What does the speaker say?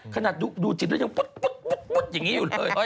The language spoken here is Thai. ขนาดดูจิตแล้วยังปุ๊ดอย่างนี้อยู่เลย